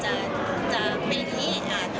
ว่าเราจะเป็นที่อีก